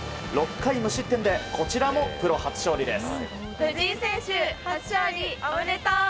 ６回無失点でこちらもプロ初勝利です。